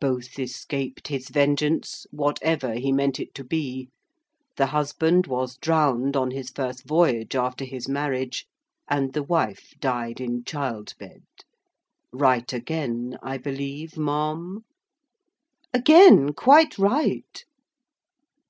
Both escaped his vengeance, whatever he meant it to be. The husband was drowned on his first voyage after his marriage, and the wife died in child bed. Right again, I believe, ma'am?" "Again quite right."